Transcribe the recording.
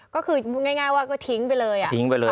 ก็คือพูดง่ายว่าก็ทิ้งไปเลยอ่ะทิ้งไปเลย